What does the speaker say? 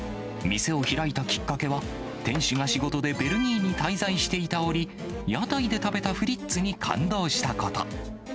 店を開いたきっかけは、店主が仕事でベルギーに滞在していた折、屋台で食べたフリッツに感動したこと。